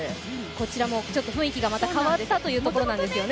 こちらも雰囲気が変わったということですよね。